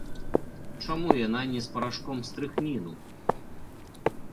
Чаму яна не з парашком стрыхніну?